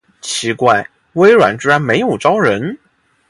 奇怪，微软居然没有招人